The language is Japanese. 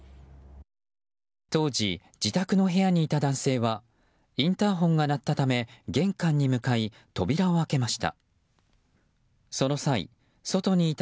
当時、自宅の部屋にいた男性はインターホンが鳴ったため玄関に向かい扉を開けました。